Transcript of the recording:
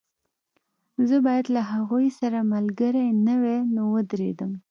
زه باید له هغوی سره ملګری نه وای نو ودرېدم